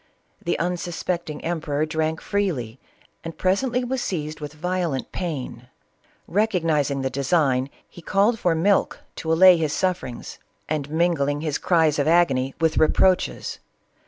The unsuspecting emperor drank freely and presently was seized with violent pain. Recognizing the design, he called for milk to allay his sufferings, and mingling CATHERINE OP RUSSIA. 409 his cries of agony with reproaches.